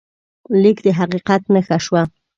لیک د حقیقت نښه شوه.